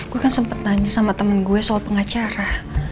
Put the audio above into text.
gue kan sempet tanya sama temen gue soal pengacara